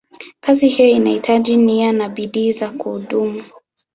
Kazi hiyo inahitaji nia na bidii za kudumu.